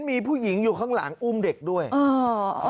เมื่อกี้มันร้องพักเดียวเลย